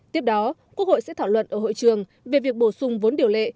tiếp đó quốc hội sẽ thảo luận ở hội trường về việc bổ sung vốn điều lệ